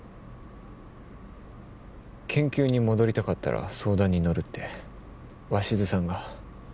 研究に戻りたかったら相談に乗るって鷲津さんが。